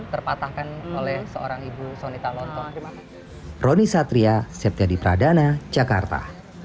terpatahkan oleh seorang ibu sonita lonto